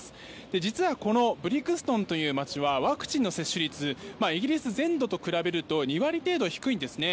実はこのブリクストンという街はワクチンの接種率イギリス全土と比べると２割程度低いんですね。